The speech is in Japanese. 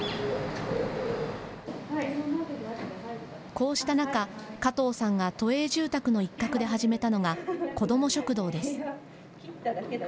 こうした中、加藤さんが都営住宅の一角で始めたのが子ども食堂です。